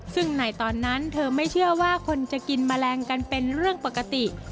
ซึ่งในตอนนั้นเธอไม่เชื่อว่าคนจะกินแมลงกันเป็นเรื่องปกติ